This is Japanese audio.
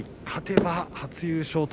勝てば初優勝。